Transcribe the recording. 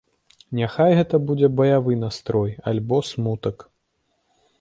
Няхай гэта будзе баявы настрой альбо смутак.